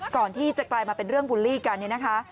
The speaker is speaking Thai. ก่อนที่จะกลายมาเป็นเรื่องบุลลี่กัน